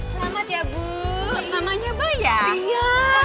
selamat ya bu namanya bayang ya